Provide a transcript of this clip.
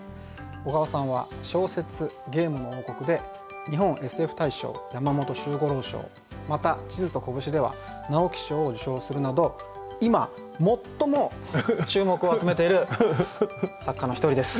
小川さんは小説「ゲームの王国」で日本ＳＦ大賞・山本周五郎賞また「地図と拳」では直木賞を受賞するなど今最も注目を集めている作家の一人です。